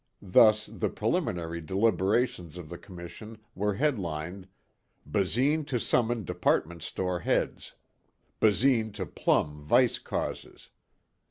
Thus the preliminary deliberations of the Commission were headlined, "Basine to Summon Department Store Heads." "Basine to Plumb Vice Causes."